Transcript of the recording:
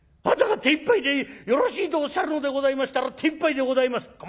「あなたが手いっぱいでよろしいとおっしゃるのでございましたら手いっぱいでございます」。